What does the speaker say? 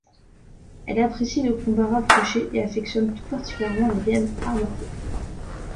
Elle apprécie le combat rapproché et affectionne tout particulièrement les vieilles armes à feu.